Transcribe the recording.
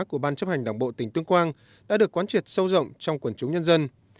của ban chấp hành đảng bộ tỉnh tuyên quang đã được quán triệt sâu rộng trong quần chúng nhân dân